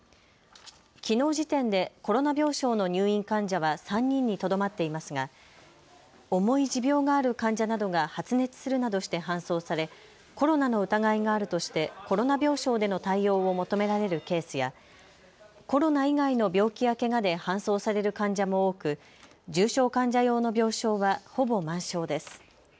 きのう時点でコロナ病床の入院患者は３人にとどまっていますが重い持病がある患者などが発熱するなどして搬送されコロナの疑いがあるとしてコロナ病床での対応を求められるケースやコロナ以外の病気やけがで搬送される患者も多く重症患者用の病床はほぼ満床です。